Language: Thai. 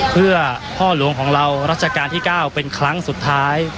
เพื่อพ่อหลวงของเรารัชกาลที่๙เป็นครั้งสุดท้าย